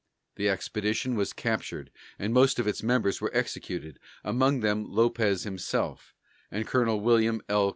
The expedition was captured, and most of its members were executed, among them Lopez himself, and Colonel William L.